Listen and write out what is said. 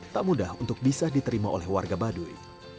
tak mudah untuk bisa diterima oleh warga baduy